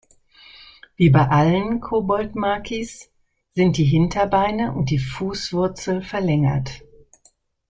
Wie bei allen Koboldmakis sind die Hinterbeine und die Fußwurzel verlängert.